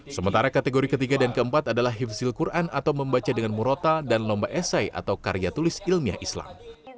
sementara kategori ketiga dan keempat adalah hifzil quran atau membaca dengan murota dan lomba esai atau karya tulis ilmiah islam